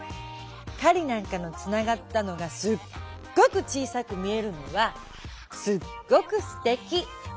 雁なんかのつながったのがすっごく小さく見えるのはすっごくすてき。